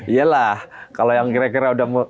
iya lah kalau yang kira kira udah